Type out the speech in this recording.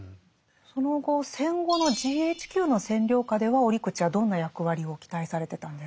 その後戦後のＧＨＱの占領下では折口はどんな役割を期待されてたんですか？